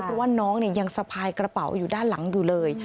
เพราะว่าน้องยังสะพายกระเป๋าอยู่ด้านหลังอยู่เลย